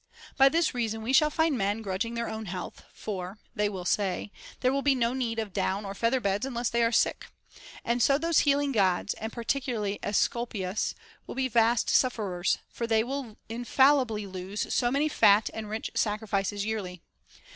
By this reason we shall find men grudging their own health, for (they will say) there will be no need of down or feather beds unless they are sick ; and so those healing Gods, and particularly Esculapius, will be vast sufferers, for they will infallibly lose so many fat and rich sacrifices yearly.